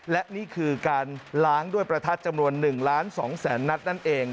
และนี่คือการล้างด้วยประทัดจำนวน๑ล้าน๒แสนนัดนั่นเอง